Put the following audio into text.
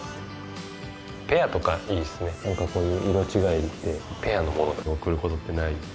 ペアとかいいですね何かこういう色違いでペアのものとか贈ることってない。